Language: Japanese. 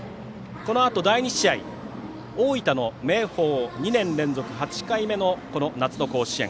このあと第２試合大分の明豊、２年連続８回目のこの夏の甲子園。